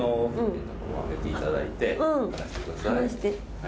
上げていただいて離してください。